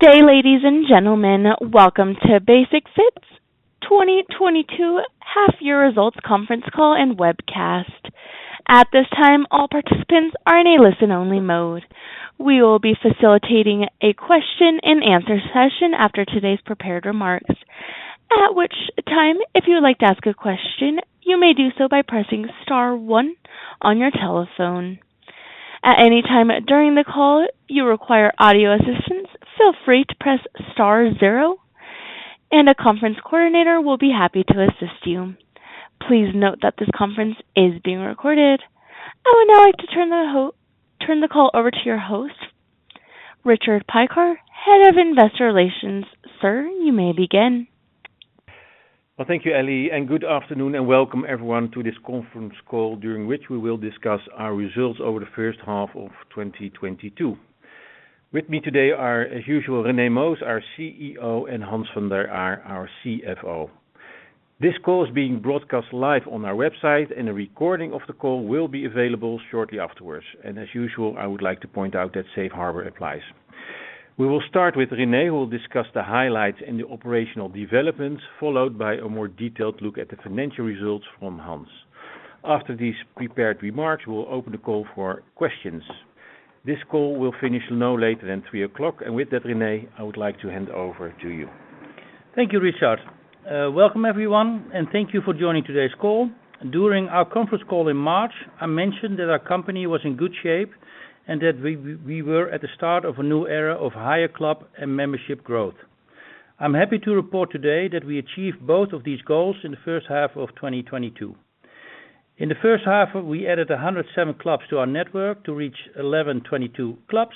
Good day, ladies and gentlemen. Welcome to Basic-Fit's 2022 Half Year Results Conference Call and Webcast. At this time, all participants are in a listen-only mode. We will be facilitating a question-and-answer session after today's prepared remarks. At which time, if you would like to ask a question, you may do so by pressing star one on your telephone. At any time during the call you require audio assistance, feel free to press star zero, and a conference coordinator will be happy to assist you. Please note that this conference is being recorded. I would now like to turn the call over to your host, Richard Piekaar, Head of Investor Relations. Sir, you may begin. Well, thank you, Ellie, and good afternoon and welcome everyone to this conference call, during which we will discuss our results over the first half of 2022. With me today are, as usual, Rene Moos, our CEO, and Hans van der Aar, our CFO. This call is being broadcast live on our website, and a recording of the call will be available shortly afterwards. As usual, I would like to point out that Safe Harbor applies. We will start with Rene, who will discuss the highlights and the operational developments, followed by a more detailed look at the financial results from Hans. After these prepared remarks, we'll open the call for questions. This call will finish no later than 3:00 P.M. With that, Rene, I would like to hand over to you. Thank you, Richard. Welcome everyone, and thank you for joining today's call. During our conference call in March, I mentioned that our company was in good shape and that we were at the start of a new era of higher club and membership growth. I'm happy to report today that we achieved both of these goals in the first half of 2022. In the first half, we added 107 clubs to our network to reach 1,122 clubs.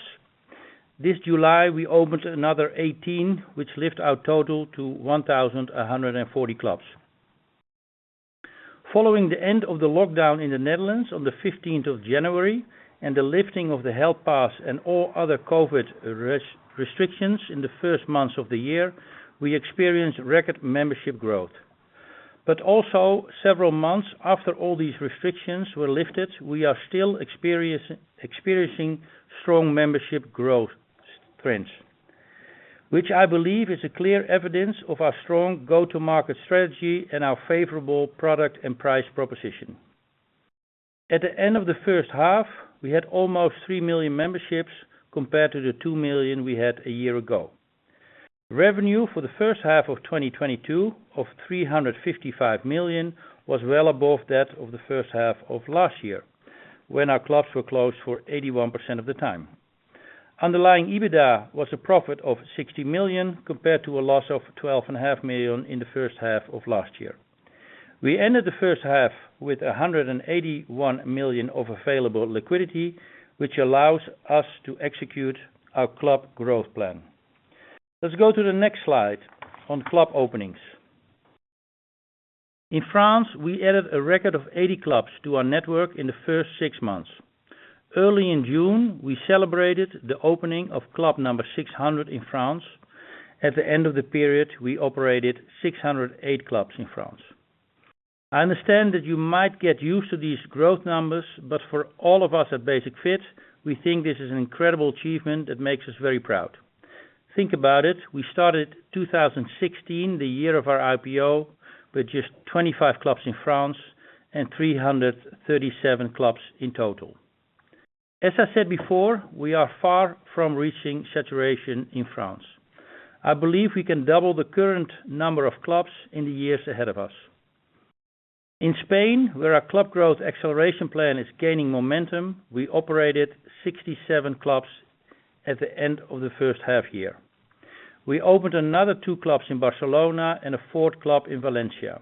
This July, we opened another 18, which lift our total to 1,140 clubs. Following the end of the lockdown in the Netherlands on the fifteenth of January and the lifting of the health pass and all other COVID restrictions in the first months of the year, we experienced record membership growth. Also several months after all these restrictions were lifted, we are still experiencing strong membership growth trends, which I believe is a clear evidence of our strong go-to-market strategy and our favorable product and price proposition. At the end of the first half, we had almost 3 million memberships compared to the 2 million we had a year ago. Revenue for the first half of 2022 of 355 million was well above that of the first half of last year, when our clubs were closed for 81% of the time. Underlying EBITDA was a profit of 60 million, compared to a loss of 12.5 million in the first half of last year. We ended the first half with 181 million of available liquidity, which allows us to execute our club growth plan. Let's go to the next slide on club openings. In France, we added a record of 80 clubs to our network in the first six months. Early in June, we celebrated the opening of club number 600 in France. At the end of the period, we operated 608 clubs in France. I understand that you might get used to these growth numbers, but for all of us at Basic-Fit, we think this is an incredible achievement that makes us very proud. Think about it. We started 2016, the year of our IPO, with just 25 clubs in France and 337 clubs in total. As I said before, we are far from reaching saturation in France. I believe we can double the current number of clubs in the years ahead of us. In Spain, where our club growth acceleration plan is gaining momentum, we operated 67 clubs at the end of the first half year. We opened another 2 clubs in Barcelona and a fourth club in Valencia.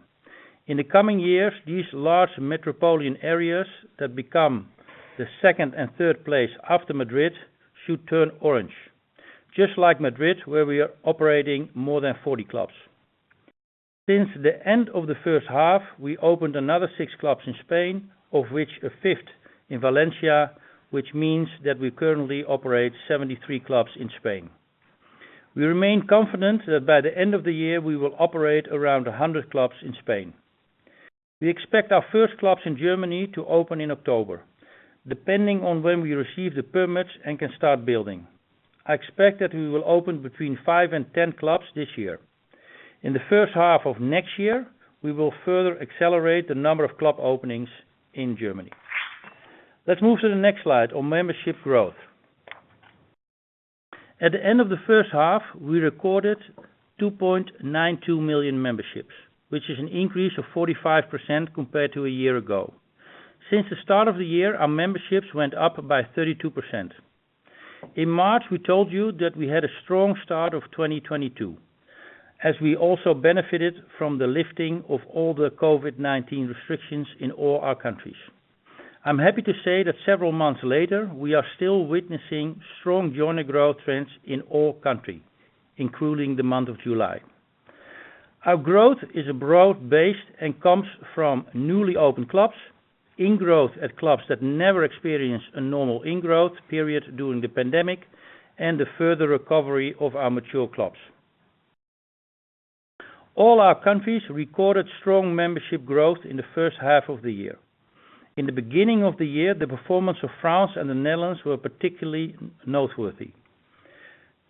In the coming years, these large metropolitan areas that become the second and third place after Madrid should turn orange. Just like Madrid, where we are operating more than 40 clubs. Since the end of the first half, we opened another 6 clubs in Spain, of which a fifth in Valencia, which means that we currently operate 73 clubs in Spain. We remain confident that by the end of the year we will operate around 100 clubs in Spain. We expect our first clubs in Germany to open in October, depending on when we receive the permits and can start building. I expect that we will open between 5-10 clubs this year. In the first half of next year, we will further accelerate the number of club openings in Germany. Let's move to the next slide on membership growth. At the end of the first half, we recorded 2.92 million memberships, which is an increase of 45% compared to a year ago. Since the start of the year, our memberships went up by 32%. In March, we told you that we had a strong start of 2022, as we also benefited from the lifting of all the COVID-19 restrictions in all our countries. I'm happy to say that several months later, we are still witnessing strong joiner growth trends in all countries, including the month of July. Our growth is broad-based and comes from newly opened clubs, in growth at clubs that never experienced a normal in growth period during the pandemic, and the further recovery of our mature clubs. All our countries recorded strong membership growth in the first half of the year. In the beginning of the year, the performance of France and the Netherlands were particularly noteworthy.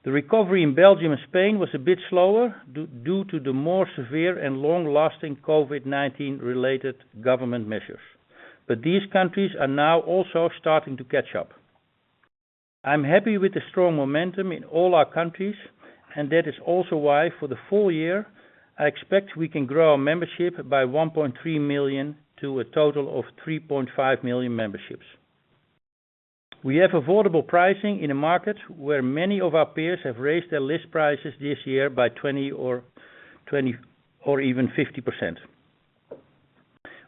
The recovery in Belgium and Spain was a bit slower due to the more severe and long-lasting COVID-19 related government measures. These countries are now also starting to catch up. I'm happy with the strong momentum in all our countries, and that is also why, for the full year, I expect we can grow our membership by 1.3 million to a total of 3.5 million memberships. We have affordable pricing in a market where many of our peers have raised their list prices this year by 20 or even 50%.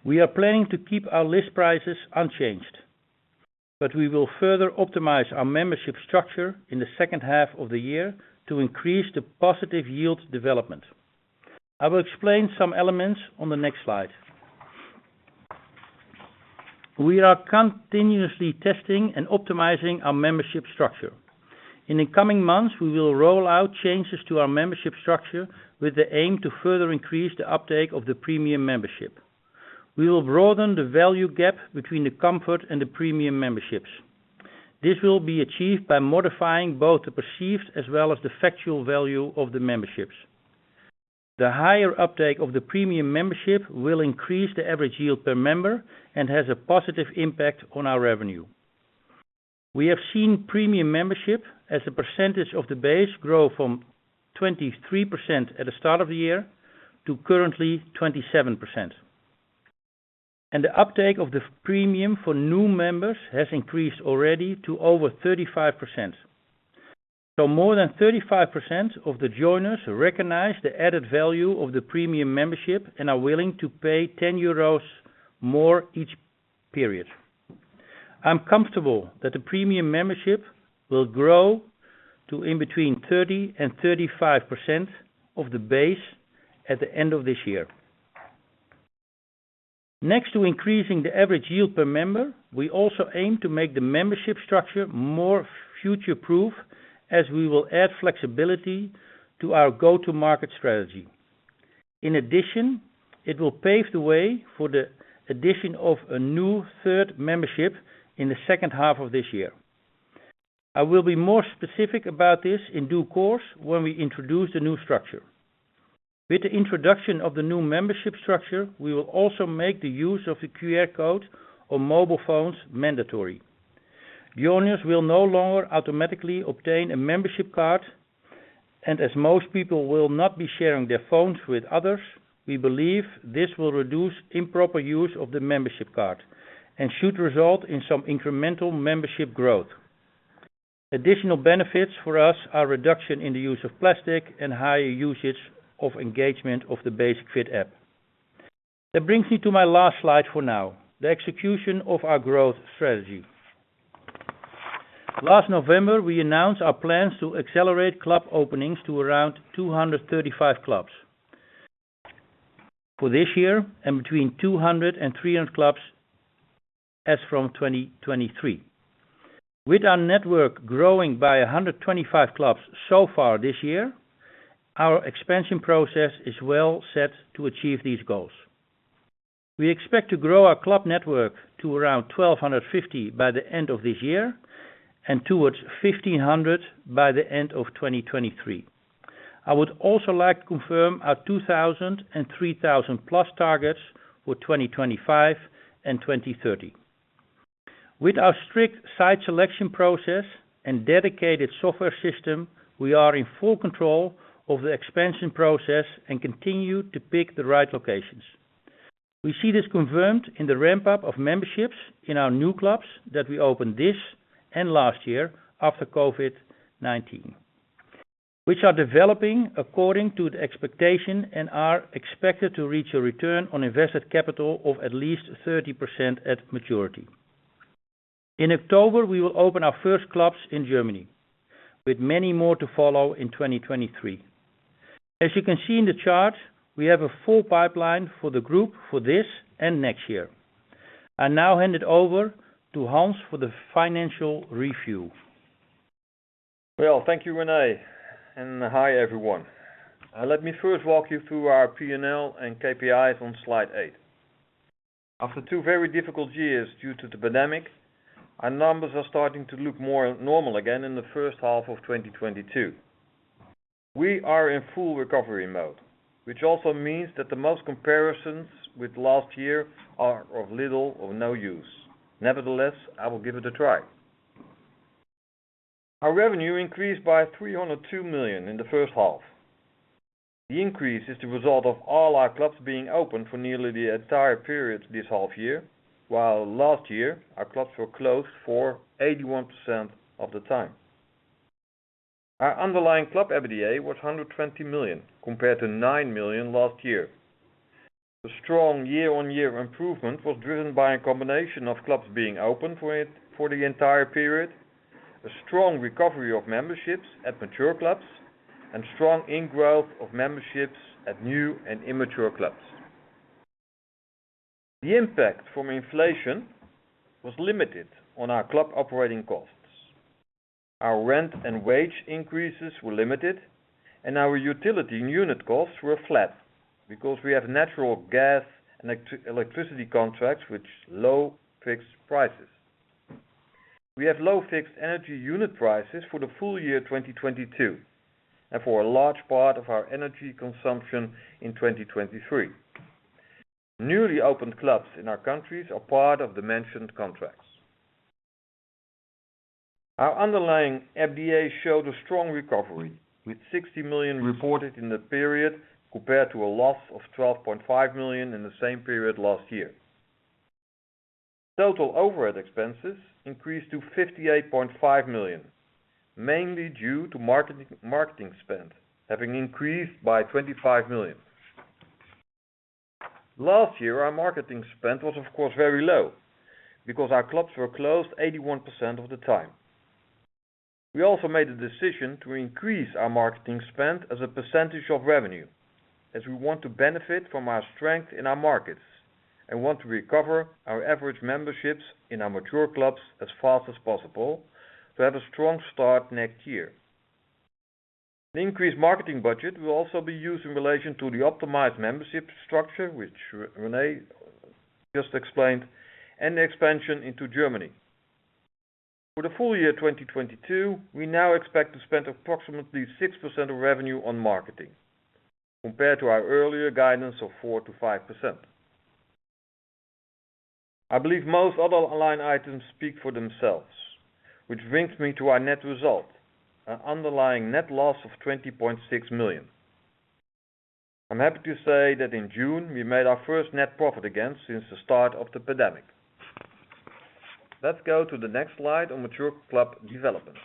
We are planning to keep our list prices unchanged, but we will further optimize our membership structure in the second half of the year to increase the positive yield development. I will explain some elements on the next slide. We are continuously testing and optimizing our membership structure. In the coming months, we will roll out changes to our membership structure with the aim to further increase the uptake of the Premium membership. We will broaden the value gap between the Comfort and the Premium memberships. This will be achieved by modifying both the perceived as well as the factual value of the memberships. The higher uptake of the Premium membership will increase the average yield per member and has a positive impact on our revenue. We have seen Premium membership as a percentage of the base grow from 23% at the start of the year to currently 27%. The uptake of the Premium for new members has increased already to over 35%. More than 35% of the joiners recognize the added value of the Premium membership and are willing to pay 10 euros more each period. I'm comfortable that the Premium membership will grow to in between 30% and 35% of the base at the end of this year. Next to increasing the average yield per member, we also aim to make the membership structure more future-proof as we will add flexibility to our go-to market strategy. In addition, it will pave the way for the addition of a new third membership in the second half of this year. I will be more specific about this in due course when we introduce the new structure. With the introduction of the new membership structure, we will also make the use of the QR code on mobile phones mandatory. Joiners will no longer automatically obtain a membership card, and as most people will not be sharing their phones with others, we believe this will reduce improper use of the membership card and should result in some incremental membership growth. Additional benefits for us are reduction in the use of plastic and higher usage of engagement of the Basic-Fit app. That brings me to my last slide for now, the execution of our growth strategy. Last November, we announced our plans to accelerate club openings to around 235 clubs. For this year and between 200 and 300 clubs as from 2023. With our network growing by 125 clubs so far this year, our expansion process is well set to achieve these goals. We expect to grow our club network to around 1,250 by the end of this year and towards 1,500 by the end of 2023. I would also like to confirm our 2,000 and 3,000+ targets for 2025 and 2030. With our strict site selection process and dedicated software system, we are in full control of the expansion process and continue to pick the right locations. We see this confirmed in the ramp-up of memberships in our new clubs that we opened this and last year after COVID-19, which are developing according to the expectation and are expected to reach a return on invested capital of at least 30% at maturity. In October, we will open our first clubs in Germany, with many more to follow in 2023. As you can see in the chart, we have a full pipeline for the group for this and next year. I now hand it over to Hans for the financial review. Well, thank you, Rene. Hi, everyone. Let me first walk you through our P&L and KPIs on slide 8. After two very difficult years due to the pandemic, our numbers are starting to look more normal again in the first half of 2022. We are in full recovery mode, which also means that the most comparisons with last year are of little or no use. Nevertheless, I will give it a try. Our revenue increased by 302 million in the first half. The increase is the result of all our clubs being open for nearly the entire period this half year, while last year our clubs were closed for 81% of the time. Our underlying club EBITDA was 120 million, compared to 9 million last year. The strong year-on-year improvement was driven by a combination of clubs being open for it, for the entire period, a strong recovery of memberships at mature clubs, and strong in-growth of memberships at new and immature clubs. The impact from inflation was limited on our club operating costs. Our rent and wage increases were limited, and our utility and unit costs were flat because we have natural gas and electricity contracts with low fixed prices. We have low fixed energy unit prices for the full year 2022, and for a large part of our energy consumption in 2023. Newly opened clubs in our countries are part of the mentioned contracts. Our underlying EBITDA showed a strong recovery, with 60 million reported in the period compared to a loss of 12.5 million in the same period last year. Total overhead expenses increased to 58.5 million, mainly due to marketing spend having increased by 25 million. Last year, our marketing spend was of course very low because our clubs were closed 81% of the time. We also made the decision to increase our marketing spend as a percentage of revenue as we want to benefit from our strength in our markets and want to recover our average memberships in our mature clubs as fast as possible to have a strong start next year. The increased marketing budget will also be used in relation to the optimized membership structure, which Rene just explained, and the expansion into Germany. For the full year 2022, we now expect to spend approximately 6% of revenue on marketing compared to our earlier guidance of 4%-5%. I believe most other line items speak for themselves, which brings me to our net result, an underlying net loss of 20.6 million. I'm happy to say that in June we made our first net profit again since the start of the pandemic. Let's go to the next slide on mature club development.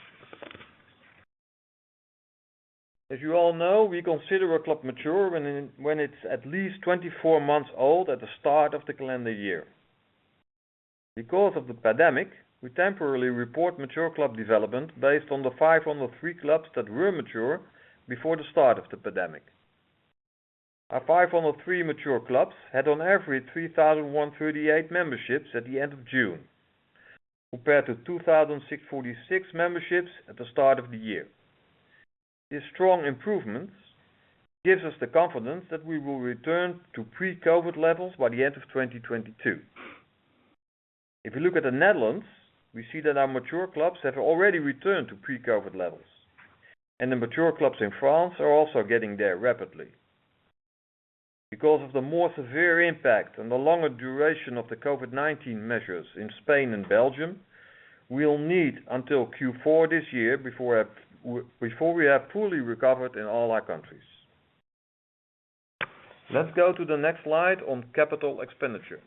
As you all know, we consider a club mature when it's at least 24 months old at the start of the calendar year. Because of the pandemic, we temporarily report mature club development based on the 503 clubs that were mature before the start of the pandemic. Our 503 mature clubs had on average 3,038 memberships at the end of June, compared to 2,646 memberships at the start of the year. This strong improvement gives us the confidence that we will return to pre-COVID levels by the end of 2022. If you look at the Netherlands, we see that our mature clubs have already returned to pre-COVID levels, and the mature clubs in France are also getting there rapidly. Because of the more severe impact and the longer duration of the COVID-19 measures in Spain and Belgium, we'll need until Q4 this year before we have fully recovered in all our countries. Let's go to the next slide on capital expenditure.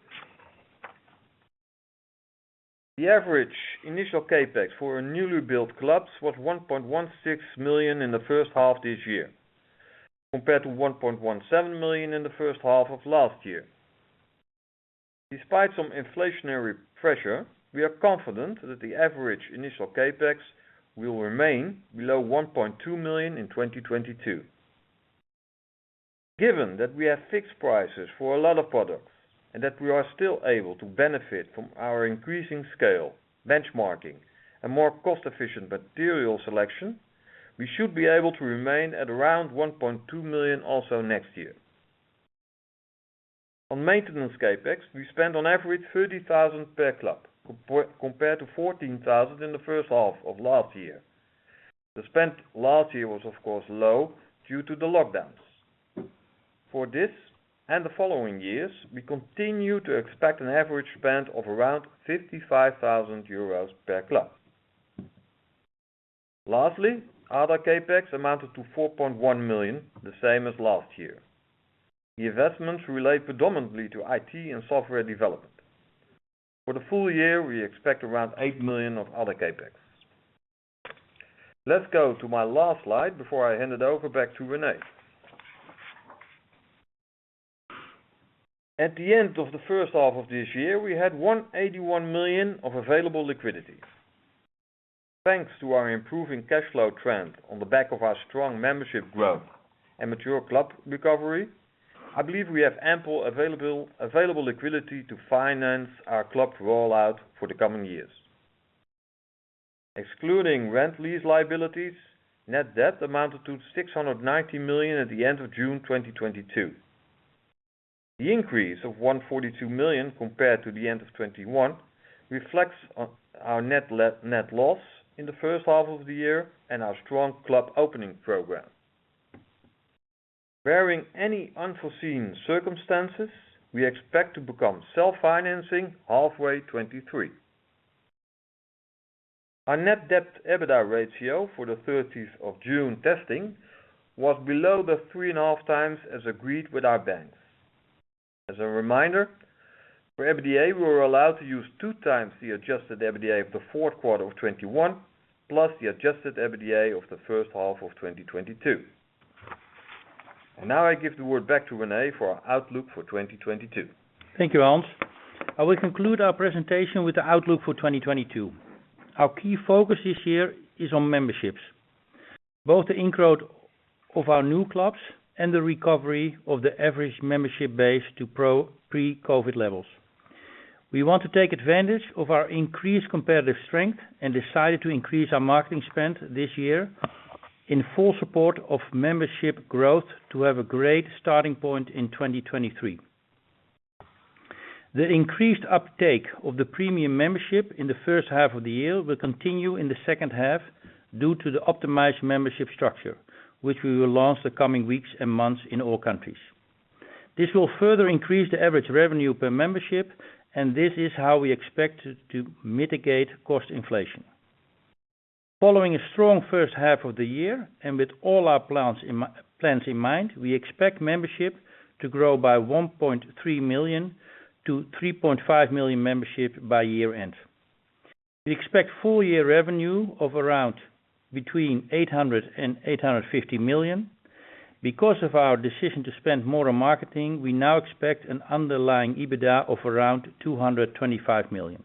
The average initial CapEx for our newly built clubs was 1.16 million in the first half this year, compared to 1.17 million in the first half of last year. Despite some inflationary pressure, we are confident that the average initial CapEx will remain below 1.2 million in 2022. Given that we have fixed prices for a lot of products and that we are still able to benefit from our increasing scale, benchmarking, and more cost-efficient material selection, we should be able to remain at around 1.2 million also next year. On maintenance CapEx, we spent on average 30,000 per club compared to 14,000 in the first half of last year. The spend last year was of course low due to the lockdowns. For this and the following years, we continue to expect an average spend of around 55,000 euros per club. Lastly, other CapEx amounted to 4.1 million, the same as last year. The investments relate predominantly to IT and software development. For the full year, we expect around 8 million of other CapEx. Let's go to my last slide before I hand it over back to Rene. At the end of the first half of this year, we had 181 million of available liquidity. Thanks to our improving cash flow trend on the back of our strong membership growth and mature club recovery, I believe we have ample available liquidity to finance our club rollout for the coming years. Excluding rent lease liabilities, net debt amounted to 690 million at the end of June 2022. The increase of 142 million compared to the end of 2021 reflects on our net loss in the first half of the year and our strong club opening program. Barring any unforeseen circumstances, we expect to become self-financing halfway 2023. Our net debt EBITDA ratio for the 30th of June testing was below the 3.5 times as agreed with our banks. As a reminder, for EBITDA, we were allowed to use 2 times the adjusted EBITDA of the fourth quarter of 2021, plus the adjusted EBITDA of the first half of 2022. Now I give the word back to Rene for our outlook for 2022. Thank you, Hans. I will conclude our presentation with the outlook for 2022. Our key focus this year is on memberships. Both the growth of our new clubs and the recovery of the average membership base to pre-COVID levels. We want to take advantage of our increased competitive strength and decided to increase our marketing spend this year in full support of membership growth to have a great starting point in 2023. The increased uptake of the Premium membership in the first half of the year will continue in the second half due to the optimized membership structure, which we will launch the coming weeks and months in all countries. This will further increase the average revenue per membership, and this is how we expect to mitigate cost inflation. Following a strong first half of the year and with all our plans in mind, we expect membership to grow by 1.3 million to 3.5 million memberships by year-end. We expect full year revenue of around between 800 million and 850 million. Because of our decision to spend more on marketing, we now expect an underlying EBITDA of around 225 million.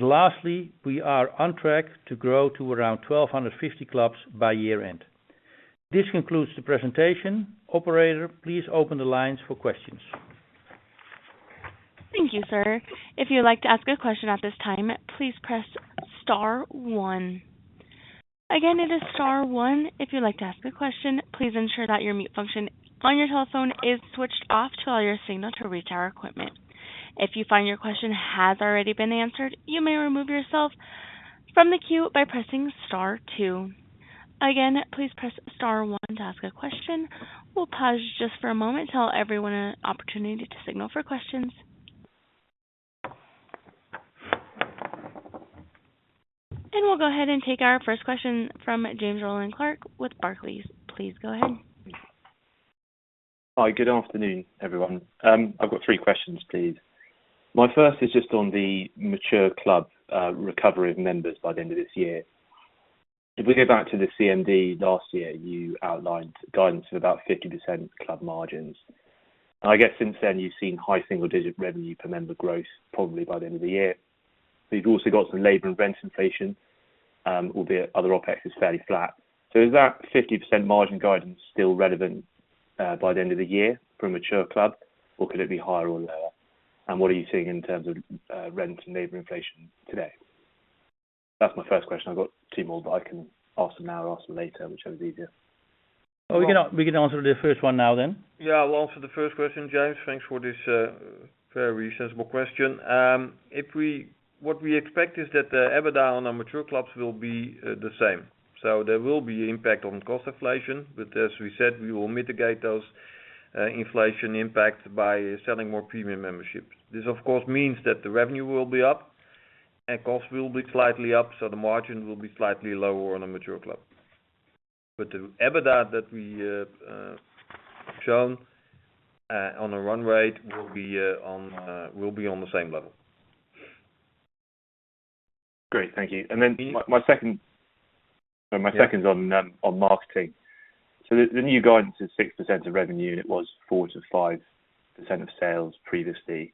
Lastly, we are on track to grow to around 1,250 clubs by year-end. This concludes the presentation. Operator, please open the lines for questions. Thank you, sir. If you'd like to ask a question at this time, please press star one. Again, it is star one. If you'd like to ask a question, please ensure that your mute function on your telephone is switched off to allow your signal to reach our equipment. If you find your question has already been answered, you may remove yourself from the queue by pressing star two. Again, please press star one to ask a question. We'll pause just for a moment to give everyone an opportunity to signal for questions. We'll go ahead and take our first question from James Rowland-Clark with Barclays. Please go ahead. Hi. Good afternoon, everyone. I've got three questions, please. My first is just on the mature club recovery of members by the end of this year. If we go back to the CMD last year, you outlined guidance of about 50% club margins. I guess since then you've seen high single-digit revenue per member growth probably by the end of the year. You've also got some labor and rent inflation, albeit other OpEx is fairly flat. Is that 50% margin guidance still relevant by the end of the year for mature club, or could it be higher or lower? And what are you seeing in terms of rent and labor inflation today? That's my first question. I've got two more, but I can ask them now or ask them later, whichever is easier. We can answer the first one now then. Yeah, I'll answer the first question, James. Thanks for this very sensible question. What we expect is that the EBITDA on our mature clubs will be the same. There will be impact on cost inflation, but as we said, we will mitigate those inflation impact by selling more Premium memberships. This, of course, means that the revenue will be up and costs will be slightly up, so the margin will be slightly lower on a mature club. The EBITDA that we shown on a run rate will be on the same level. Great. Thank you. My second. Yeah. My second's on marketing. The new guidance is 6% of revenue, and it was 4%-5% of sales previously.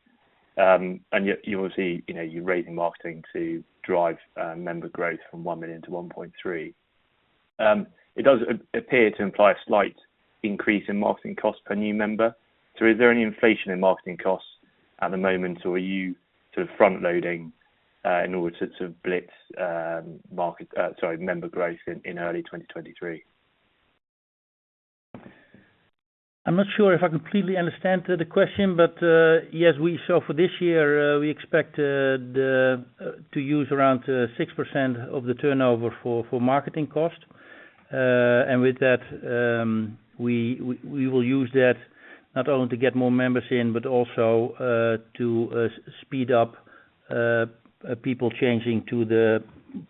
And yet you obviously, you know, you're raising marketing to drive member growth from 1 million to 1.3. It does appear to imply a slight increase in marketing cost per new member. Is there any inflation in marketing costs at the moment, or are you sort of front-loading in order to blitz member growth in early 2023? I'm not sure if I completely understand the question, but yes, we expect to use around 6% of the turnover for marketing cost. With that, we will use that not only to get more members in, but also to speed up people changing to the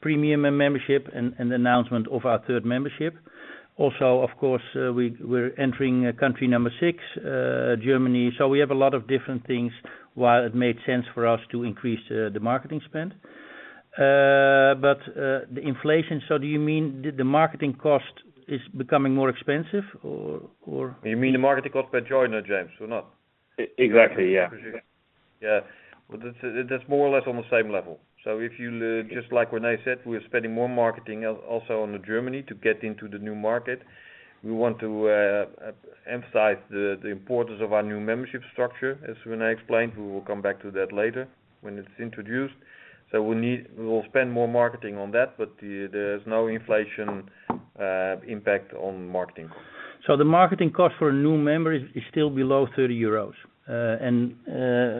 Premium membership and the announcement of our third membership. Also, of course, we're entering country number 6, Germany. We have a lot of different things while it made sense for us to increase the marketing spend. The inflation, so do you mean the marketing cost is becoming more expensive or You mean the marketing cost per joiner, James, or not? Exactly, yeah. Yeah. Well, that's more or less on the same level. If you just like Rene said, we are spending more on marketing also on Germany to get into the new market. We want to emphasize the importance of our new membership structure. As Rene explained, we will come back to that later when it's introduced. We will spend more on marketing on that, but there's no inflation impact on marketing. The marketing cost for a new member is still below 30 euros.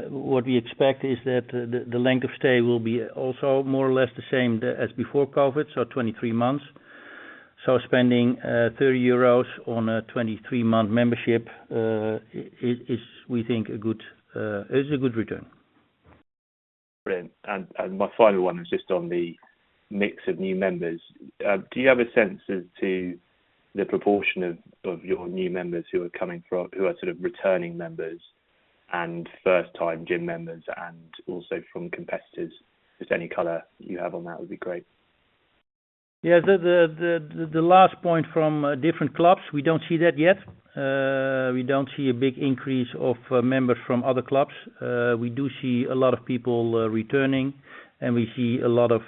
What we expect is that the length of stay will be also more or less the same as before COVID, so 23 months. Spending 30 euros on a 23-month membership is, we think, a good return. Brilliant. My final one is just on the mix of new members. Do you have a sense as to the proportion of your new members who are sort of returning members and first-time gym members and also from competitors? Just any color you have on that would be great. Yeah. The last point from different clubs, we don't see that yet. We don't see a big increase of members from other clubs. We do see a lot of people returning, and we see a lot of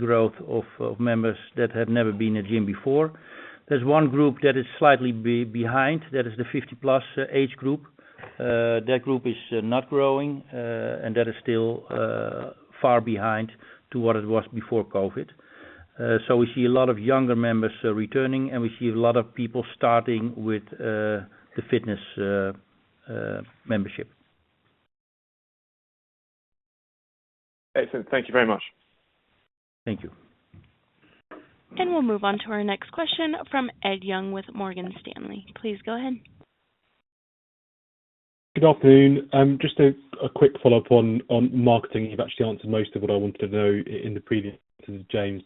growth of members that have never been in a gym before. There's one group that is slightly behind. That is the 50-plus age group. That group is not growing, and that is still far behind to what it was before COVID. So we see a lot of younger members returning, and we see a lot of people starting with the fitness membership. Excellent. Thank you very much. Thank you. We'll move on to our next question from Ed Young with Morgan Stanley. Please go ahead. Good afternoon. Just a quick follow-up on marketing. You've actually answered most of what I wanted to know in the previous with James.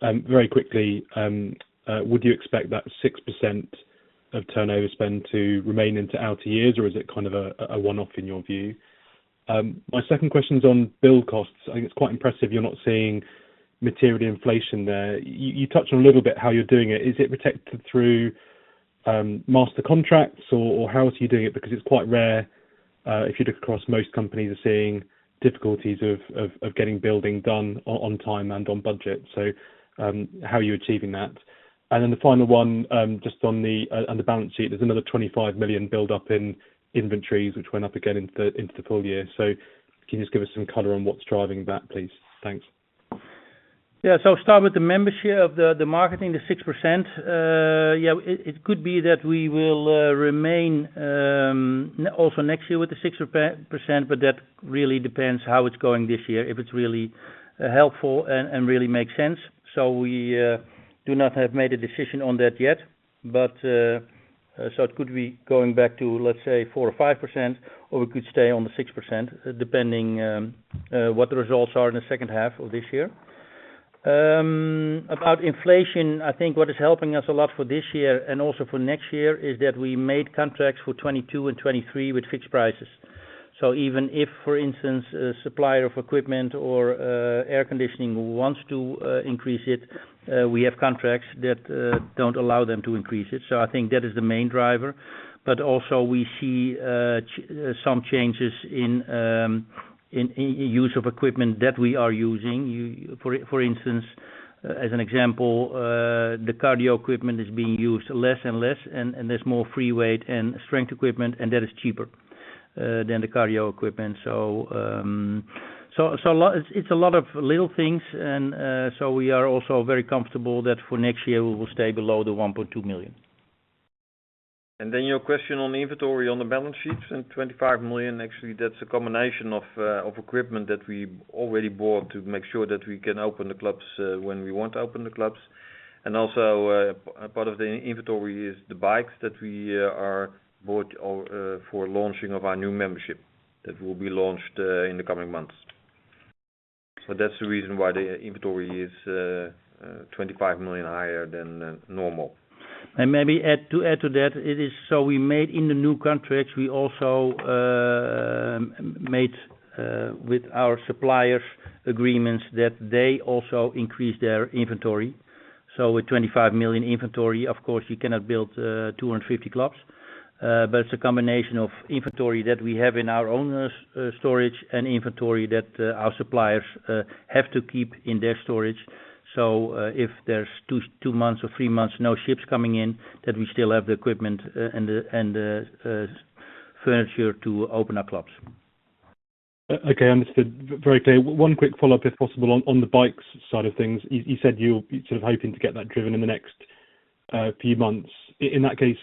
Very quickly, would you expect that 6% of turnover spend to remain into outer years, or is it kind of a one-off in your view? My second question's on build costs. I think it's quite impressive you're not seeing material inflation there. You touched on a little bit how you're doing it. Is it protected through master contracts, or how are you doing it? Because it's quite rare. If you look across, most companies are seeing difficulties of getting building done on time and on budget. How are you achieving that? Then the final one, just on the balance sheet. There's another 25 million build up in inventories, which went up again into the full year. Can you just give us some color on what's driving that, please? Thanks. Yeah. Start with the membership. The marketing, the 6%. Yeah, it could be that we will remain and also next year with the 6%, but that really depends how it's going this year, if it's really helpful and really makes sense. We have not made a decision on that yet. It could be going back to, let's say, 4 or 5%, or we could stay on the 6% depending what the results are in the second half of this year. About inflation, I think what is helping us a lot for this year and also for next year is that we made contracts for 2022 and 2023 with fixed prices. Even if, for instance, a supplier of equipment or air conditioning wants to increase it, we have contracts that don't allow them to increase it. I think that is the main driver. We see some changes in use of equipment that we are using. For instance, as an example, the cardio equipment is being used less and less, and there's more free weight and strength equipment, and that is cheaper than the cardio equipment. It's a lot of little things, so we are also very comfortable that for next year we will stay below 1.2 million. Your question on inventory on the balance sheets and 25 million, actually that's a combination of equipment that we already bought to make sure that we can open the clubs when we want to open the clubs. Also, a part of the inventory is the bikes that we have bought for launching of our new membership that will be launched in the coming months. That's the reason why the inventory is 25 million higher than normal. To add to that, it is so we made in the new contracts, we also made with our suppliers agreements that they also increase their inventory. With 25 million inventory, of course you cannot build 250 clubs. But it's a combination of inventory that we have in our own storage and inventory that our suppliers have to keep in their storage. If there's two months or three months, no ships coming in, that we still have the equipment and the furniture to open our clubs. Okay. Understood. Very clear. One quick follow-up, if possible, on the bikes side of things. You said you'll be sort of hoping to get that driven in the next few months. In that case,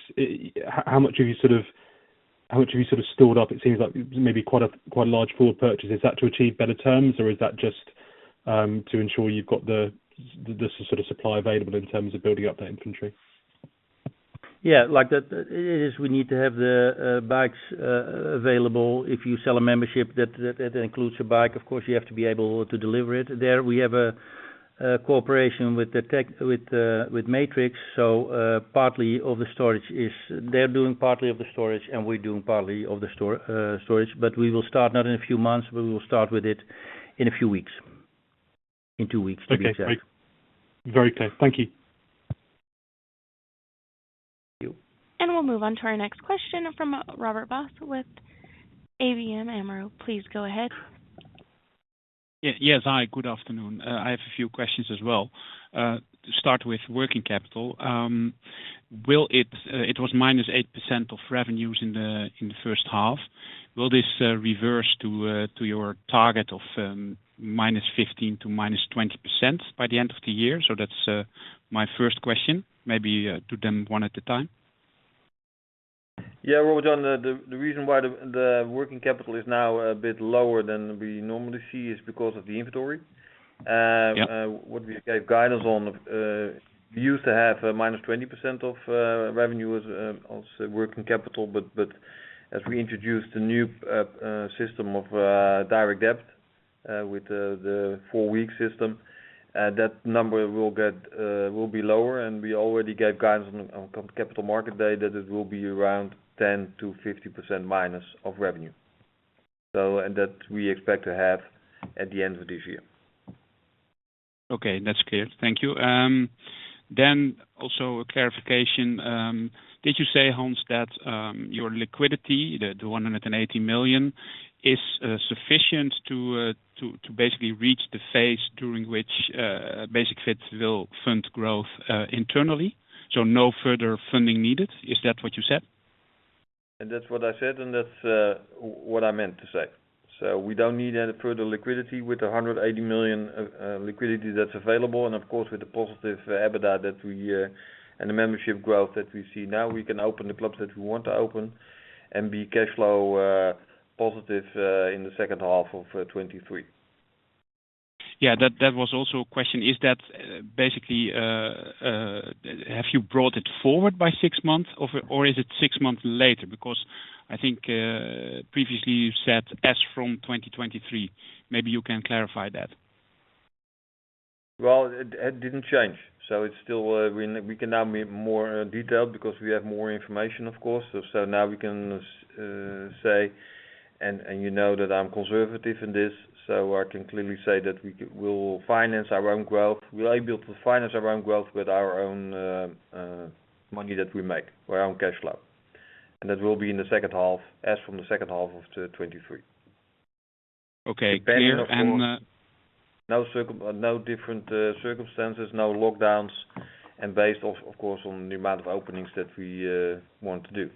how much have you sort of stored up? It seems like maybe quite a large pool of purchase. Is that to achieve better terms, or is that just to ensure you've got the sort of supply available in terms of building up that inventory? Like that. We need to have the bikes available. If you sell a membership that includes a bike, of course you have to be able to deliver it. There we have a cooperation with Matrix Fitness. So, partly of the storage they're doing, and we're doing partly of the storage. We will start not in a few months, but we will start with it in a few weeks. In 2 weeks to be exact. Okay. Great. Very clear. Thank you. Thank you. We'll move on to our next question from Robert-Jan Vos with ABN AMRO. Please go ahead. Yes. Hi, good afternoon. I have a few questions as well. To start with working capital, it was minus 8% of revenues in the first half. Will this reverse to your target of minus 15%-20% by the end of the year? That's my first question. Maybe do them one at a time. Yeah. Robert, on the reason why the working capital is now a bit lower than we normally see is because of the inventory. Yeah What we gave guidance on. We used to have minus 20% of revenue as working capital, but as we introduced the new system of direct debit with the four-week system, that number will be lower. We already gave guidance on Capital Markets Day that it will be around minus 10%-50% of revenue. That we expect to have at the end of this year. Okay, that's clear. Thank you. Also a clarification, did you say, Hans, that your liquidity, the 180 million, is sufficient to basically reach the phase during which Basic-Fit will fund growth internally, so no further funding needed? Is that what you said? That's what I said, and that's what I meant to say. We don't need any further liquidity with 180 million liquidity that's available. Of course, with the positive EBITDA that we and the membership growth that we see now, we can open the clubs that we want to open and be cash flow positive in the second half of 2023. Yeah. That was also a question. Is that basically have you brought it forward by six months or is it six months later? Because I think previously you said as from 2023, maybe you can clarify that. Well, it didn't change. It's still we can now be more detailed because we have more information, of course. Now we can say, and you know that I'm conservative in this, so I can clearly say that we'll finance our own growth. We're able to finance our own growth with our own money that we make, our own cash flow. That will be in the second half, as from the second half of 2023. Okay. Clear. No different circumstances, no lockdowns, and based of course on the amount of openings that we want to do.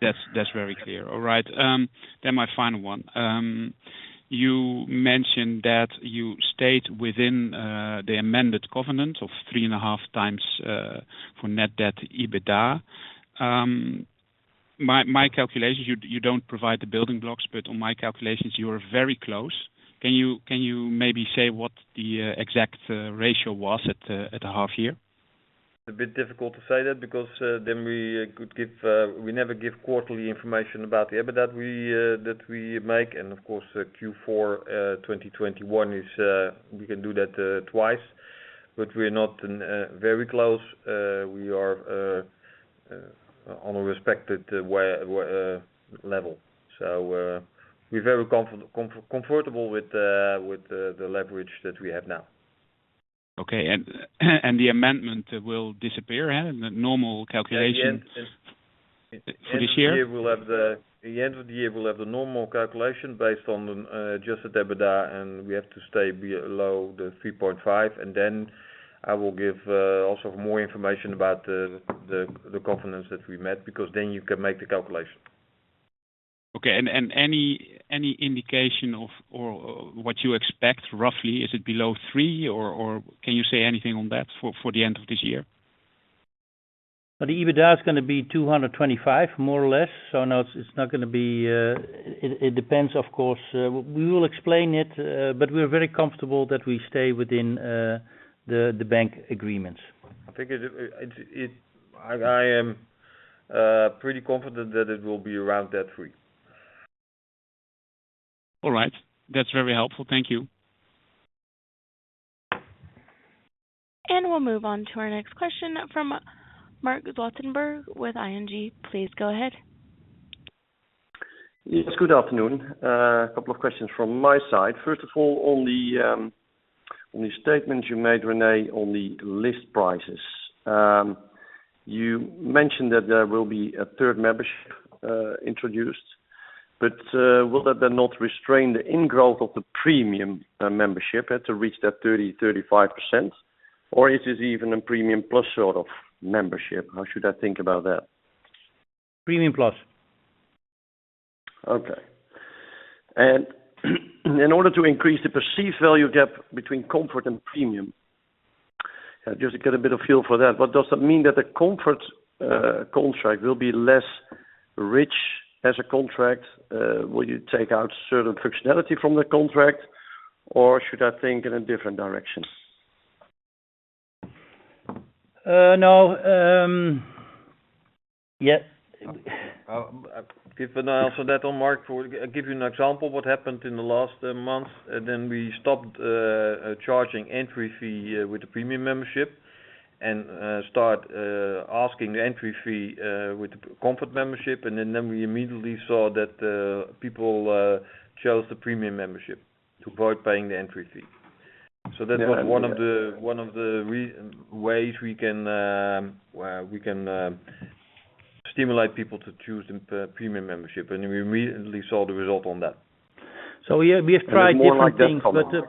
That's very clear. All right. My final one. You mentioned that you stayed within the amended covenant of 3.5 times for net debt EBITDA. My calculations, you don't provide the building blocks, but on my calculations, you are very close. Can you maybe say what the exact ratio was at the half year? It's a bit difficult to say that because we never give quarterly information about the EBITDA that we make. Of course, Q4 2021, we can do that twice, but we're not very close. We are on a respectable level. We're very comfortable with the leverage that we have now. Okay. The amendment will disappear, huh? Normal calculations. At the end of this year. This year. At the end of the year, we'll have the normal calculation based on just the EBITDA, and we have to stay below the 3.5. Then I will give also more information about the covenants that we met, because then you can make the calculation. Okay. Any indication of or what you expect roughly, is it below three, or can you say anything on that for the end of this year? The EBITDA is gonna be 225, more or less. No, it's not gonna be. It depends, of course. We will explain it, but we're very comfortable that we stay within the bank agreements. I am pretty confident that it will be around that three. All right. That's very helpful. Thank you. We'll move on to our next question from Marc Zwartsenburg with ING. Please go ahead. Yes, good afternoon. A couple of questions from my side. First of all, on the statement you made, Rene, on the list prices. You mentioned that there will be a third membership introduced, but will that then not restrain the in-growth of the Premium membership to reach that 30%-35%? Or is it even a premium plus sort of membership? How should I think about that? Premium plus. Okay. In order to increase the perceived value gap between Comfort and Premium, just to get a bit of feel for that, but does that mean that the Comfort contract will be less rich as a contract? Will you take out certain functionality from the contract, or should I think in a different direction? No. Yes. Also that one, Mark. I'll give you an example what happened in the last month. We stopped charging entry fee with the Premium membership and started asking the entry fee with the Comfort membership. We immediately saw that people chose the Premium membership to avoid paying the entry fee. That was one of the- Yeah. One of the ways we can stimulate people to choose the Premium membership. We immediately saw the result on that. We have tried different things. It's more like that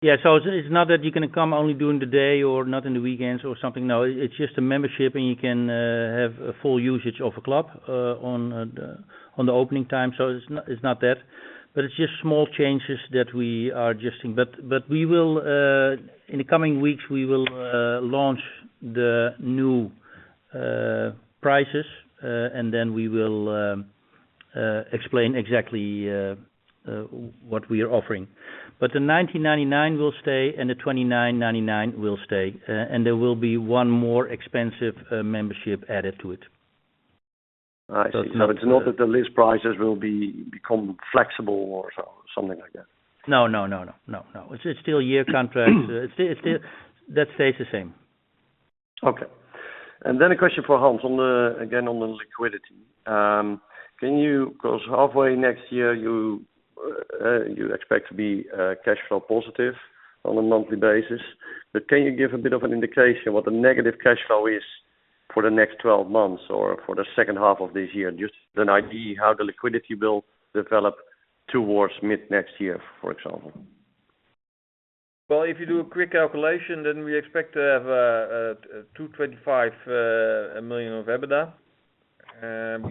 kind of a- Yeah. It's not that you can come only during the day or not in the weekends or something. No, it's just a membership, and you can have a full usage of a club on the opening time. It's not that, but it's just small changes that we are adjusting. But we will in the coming weeks launch the new prices, and then we will explain exactly what we are offering. But the 19.99 will stay and the 29.99 will stay, and there will be one more expensive membership added to it. I see. It's not that the list prices will become flexible or so, something like that. No, no. It's still a year contract. It's still. That stays the same. Okay. Then a question for Hans on the, again, on the liquidity. Can you—'cause halfway next year you expect to be cash flow positive on a monthly basis. Can you give a bit of an indication what the negative cash flow is for the next 12 months or for the second half of this year? Just an idea how the liquidity will develop towards mid-next year, for example. Well, if you do a quick calculation, then we expect to have 225 million of EBITDA.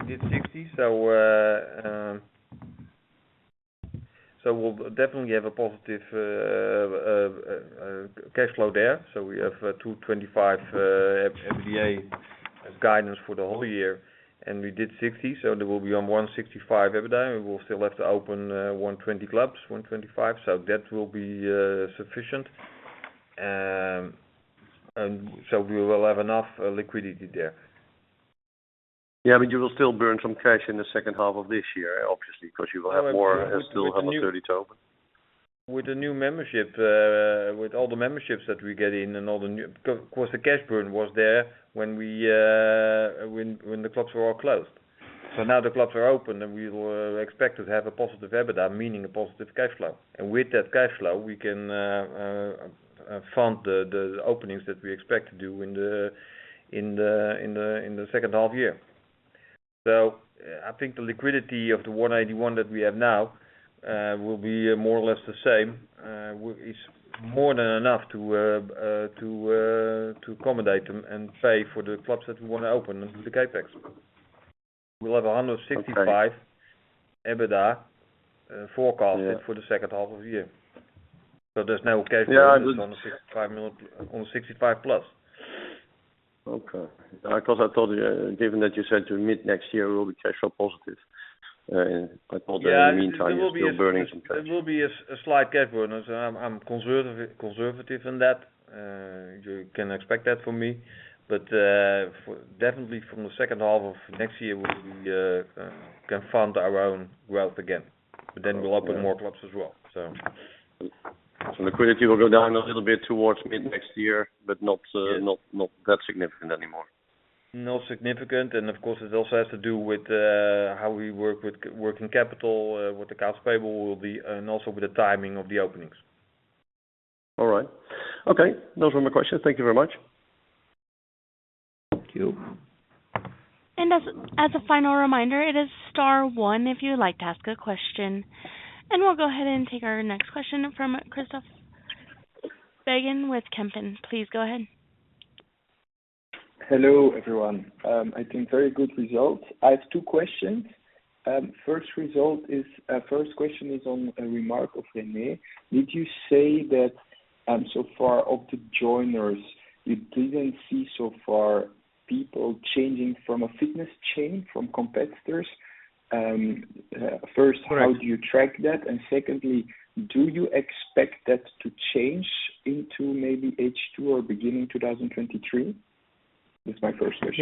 We did 60, so we'll definitely have a positive cash flow there. We have 225 EBITDA as guidance for the whole year, and we did 60, so that will be an 165 EBITDA. We will still have to open 120-125 clubs. That will be sufficient. We will have enough liquidity there. Yeah, you will still burn some cash in the second half of this year, obviously, 'cause you will have more and still under 30 to open. With the new membership, with all the memberships that we get in and all the new. Of course, the cash burn was there when the clubs were all closed. Now the clubs are open and we will expect to have a positive EBITDA, meaning a positive cash flow. With that cash flow, we can fund the openings that we expect to do in the second half year. I think the liquidity of 181 million that we have now will be more or less the same. It's more than enough to accommodate them and pay for the clubs that we wanna open and do the CapEx. We'll have 165- Okay. EBITDA, forecasted Yeah. For the second half of the year. There's no cash flow. Yeah, but- It's 165+. Okay. Because I thought, given that you said to mid-next year will be cash flow positive, and I thought that in the meantime you're still burning some cash. It will be a slight cash burn. I'm conservative in that. You can expect that from me. Definitely from the second half of next year, we can fund our own growth again. Then we'll open more clubs as well. Liquidity will go down a little bit towards mid-next year, but not that significant anymore. Not significant. Of course, it also has to do with how we work with working capital, what the accounts payable will be, and also with the timing of the openings. All right. Okay. Those were my questions. Thank you very much. Thank you. As a final reminder, it is star one if you'd like to ask a question. We'll go ahead and take our next question from Christophe Beghin with Kempen. Please go ahead. Hello, everyone. I think very good results. I have two questions. First question is on a remark of Rene. Did you say that, so far of the joiners, you didn't see so far people changing from a fitness chain from competitors? Correct. How do you track that? Secondly, do you expect that to change into maybe H2 or beginning 2023? That's my first question.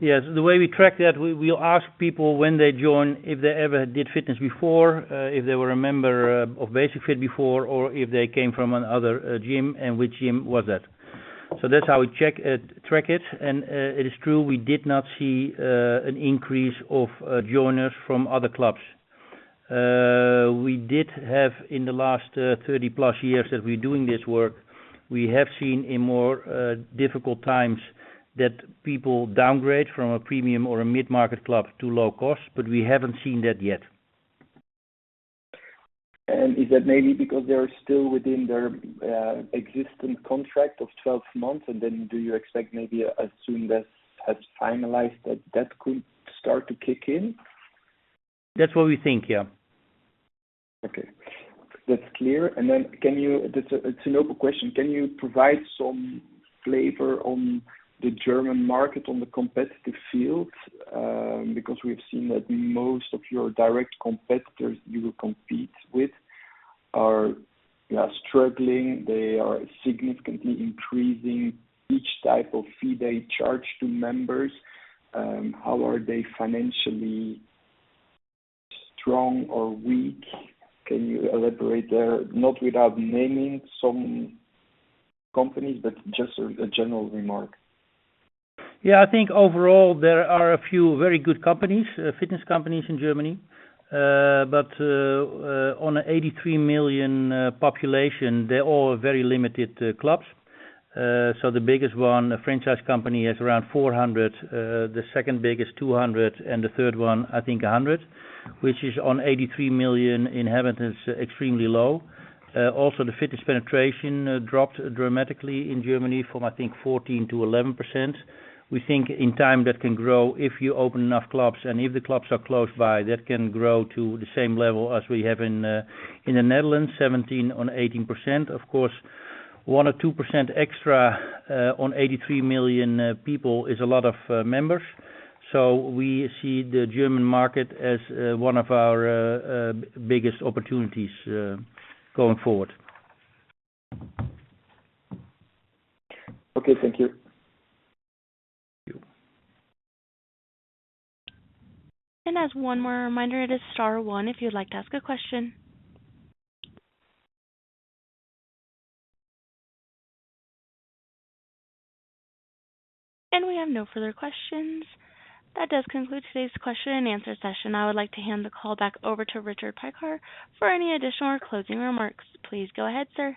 Yes, the way we track that, we ask people when they join, if they ever did fitness before, if they were a member of Basic-Fit before or if they came from another gym and which gym was that. So that's how we check track it. It is true, we did not see an increase of joiners from other clubs. We did have in the last 30+ years that we're doing this work, we have seen in more difficult times that people downgrade from a premium or a mid-market club to low cost, but we haven't seen that yet. Is that maybe because they are still within their existing contract of 12 months? Do you expect maybe as soon as has finalized that could start to kick in? That's what we think, yeah. Okay. That's clear. That's an open question. Can you provide some flavor on the German market on the competitive field? Because we've seen that most of your direct competitors you compete with are struggling. They are significantly increasing each type of fee they charge to members. How are they financially strong or weak? Can you elaborate there? Without naming some companies, but just a general remark. Yeah. I think overall there are a few very good companies, fitness companies in Germany. On a 83 million population, they're all very limited clubs. The biggest one, a franchise company, has around 400. The second biggest, 200, and the third one, I think 100. Which is on 83 million inhabitants, extremely low. Also the fitness penetration dropped dramatically in Germany from, I think, 14% to 11%. We think in time that can grow if you open enough clubs and if the clubs are close by, that can grow to the same level as we have in the Netherlands, 17% or 18%. Of course, 1 or 2% extra on 83 million people is a lot of members. We see the German market as one of our biggest opportunities going forward. Okay. Thank you. Thank you. As one more reminder, it is star one if you'd like to ask a question. We have no further questions. That does conclude today's question and answer session. I would like to hand the call back over to Richard Piekaar for any additional or closing remarks. Please go ahead, sir.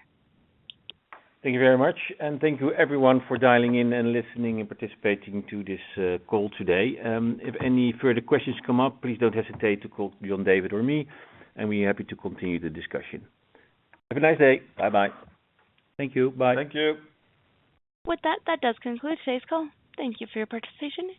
Thank you very much, and thank you everyone for dialing in and listening and participating to this call today. If any further questions come up, please don't hesitate to call Jea-David or me, and we're happy to continue the discussion. Have a nice day. Bye-bye. Thank you. Bye. Thank you. With that does conclude today's call. Thank you for your participation.